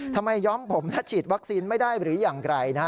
ย้อมผมและฉีดวัคซีนไม่ได้หรืออย่างไรนะฮะ